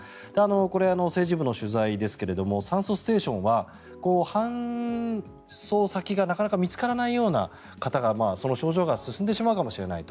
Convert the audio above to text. これ、政治部の取材ですが酸素ステーションは搬送先がなかなか見つからないような方がその症状が進んでしまうかもしれないと。